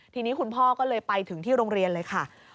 ทีนี้คุณพ่อก็เลยไปถึงที่โรงเรียนเลยค่ะ